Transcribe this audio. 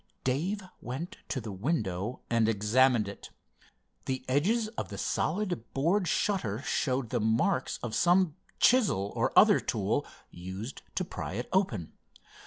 Dave went to the window and examined it. The edges of the solid board shutter showed the marks of some chisel, or other tool, used to pry it open.